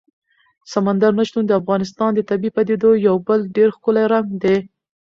سمندر نه شتون د افغانستان د طبیعي پدیدو یو بل ډېر ښکلی رنګ دی.